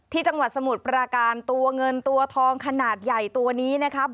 จังหวัดสมุทรปราการตัวเงินตัวทองขนาดใหญ่ตัวนี้นะครับ